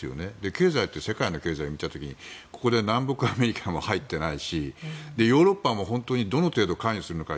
経済って世界の経済を見た時に南北アメリカも入ってないしヨーロッパもどの程度、関与するのか。